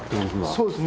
そうですね。